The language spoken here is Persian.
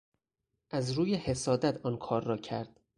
از روی حسادت آن کار را کرد.